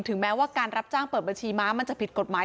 แม้ว่าการรับจ้างเปิดบัญชีม้ามันจะผิดกฎหมาย